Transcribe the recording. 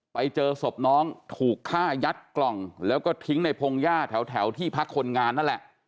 ไปเจอศพน้องถูกฆ่ายัดกล่องแล้วก็ทิ้งในพงหญ้าแถวที่พักคนงานนั่นแหละ